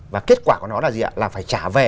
và kết quả của nó là gì ạ là phải trả về